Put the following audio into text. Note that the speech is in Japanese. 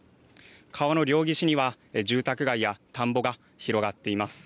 川の両岸には住宅街や田んぼが広がっています。